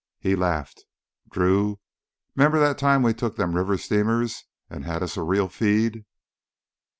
He laughed. "Drew, 'member that time we took them river steamers an' had us a real feed?